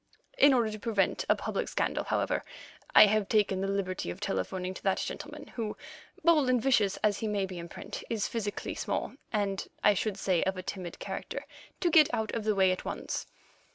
In order to prevent a public scandal, however, I have taken the liberty of telephoning to that gentleman, who, bold and vicious as he may be in print, is physically small and, I should say, of a timid character, to get out of the way at once.